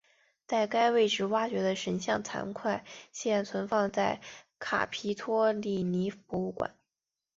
在该位置挖掘的神像残块现在存放在卡皮托利尼博物馆。